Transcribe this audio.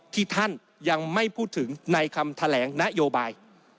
ที่ท่านยังไม่พูดถึงในคำแถลงนโยบาย